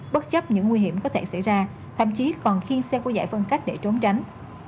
bất chấp những nguy hiểm có thể xảy ra thậm chí còn khiê xe có giải phân cách để trốn tránh